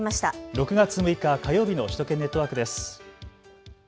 ６月６日火曜日の首都圏ネットワークです。